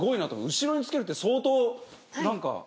後ろにつけるって相当何か。